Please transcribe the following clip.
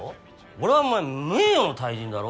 俺はお前名誉の退陣だろ？